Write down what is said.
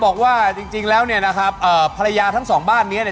กินอาหารส่วนใหญ่ฮะ